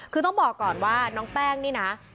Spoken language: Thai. คือต้องบอกก่อนว่าน้องแป้งนี่นะ